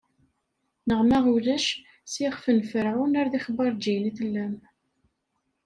Neɣ ma ulac, s yixf n Ferɛun, ar d ixbaṛǧiyen i tellam.